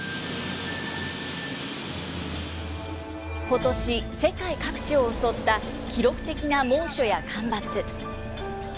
ことし世界各地を襲った記録的な猛暑や干ばつ。